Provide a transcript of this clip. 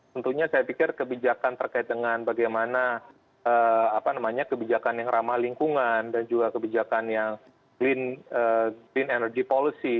tentunya saya pikir kebijakan terkait dengan bagaimana eee apa namanya kebijakan yang ramah lingkungan dan juga kebijakan yang clean ee clean energy policy